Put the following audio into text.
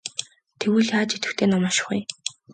Тэгвэл яаж идэвхтэй ном унших вэ?